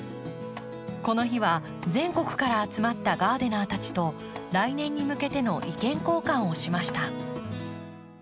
この日は全国から集まったガーデナーたちと来年に向けての意見交換をしました。